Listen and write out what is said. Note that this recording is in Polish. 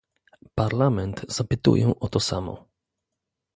Parlament zapytuję o to samo